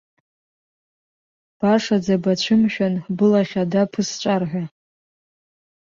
Башаӡа бацәымшәан былахь ада ԥысҵәар ҳәа.